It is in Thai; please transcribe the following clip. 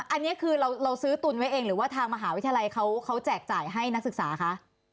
อันนี้คือเราซื้อตุนไว้เองหรือว่าทางมหาวิทยาลัยเขาแจกจ่ายให้นักศึกษาคะ